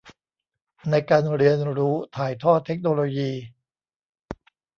ในการเรียนรู้ถ่ายทอดเทคโนโลยี